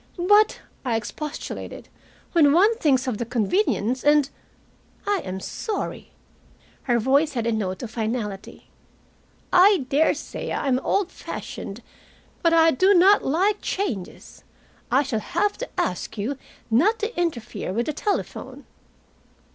"But," I expostulated, "when one thinks of the convenience, and " "I am sorry." Her voice had a note of finality. "I daresay I am old fashioned, but I do not like changes. I shall have to ask you not to interfere with the telephone."